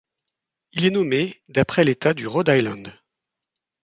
Il est nommé d'après l'état du Rhode Island.